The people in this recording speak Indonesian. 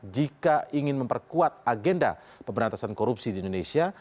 jika ingin memperkuat agenda pemberantasan korupsi di indonesia